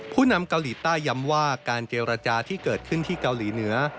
นำเกาหลีใต้ย้ำว่าการเจรจาที่เกิดขึ้นที่เกาหลีเหนือ